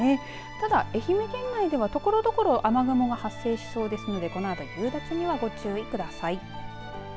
ただ愛媛県内ではところどころ雨雲が発生しそうですのでこのあとの夕立にはご注意ください。